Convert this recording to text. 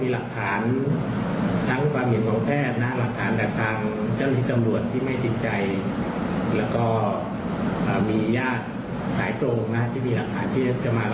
แล้วก็เจ้าหน้าที่ที่ปฏิบัติก็อาจจะไม่ชัดในแนวทางที่จะ